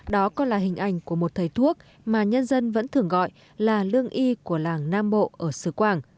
đó còn là hình ảnh của một thầy thuốc mà nhân dân vẫn thường gọi là lương y của làng nam bộ ở sứ quảng